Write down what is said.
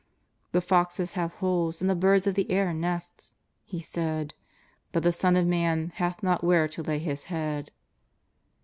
" The foxes have holes and the birds of the air nests," He said, " but the Son ot Man hath not where to lay His head."